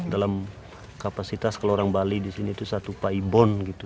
dalam kapasitas keluaran bali disini itu satu paibong